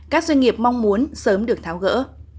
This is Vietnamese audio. các doanh nghiệp mong muốn sớm được tháo gỡ